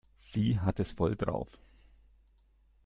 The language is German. Sie hat es voll drauf.